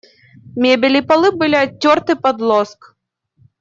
Мебель и полы были оттерты под лоск.